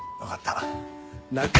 分かった殴。